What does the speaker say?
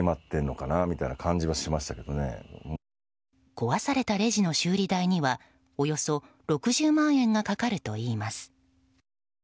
壊されたレジの修理代にはおよそ６０万円がかかるといいます。